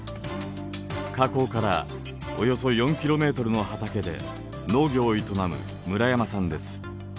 火口からおよそ４ｋｍの畑で農業を営む村山さんです。